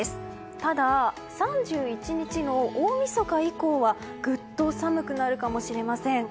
ただ、３１日の大みそか以降はぐっと寒くなるかもしれません。